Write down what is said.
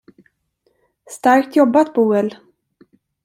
Starkt jobbat, Boel!